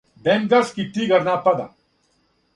Бенгалски тигар напада!